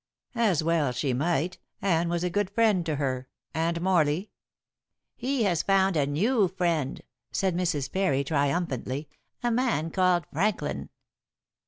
"As well she might. Anne was a good friend to her. And Morley?" "He has found a new friend," said Mrs. Parry triumphantly, "a man called Franklin."